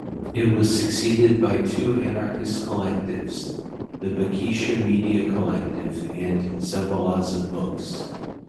It was succeeded by two anarchist collectives: the Bikisha Media Collective and Zabalaza Books.